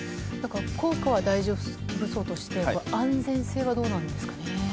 効果は大丈夫そうとして安全性はどうなんですかね？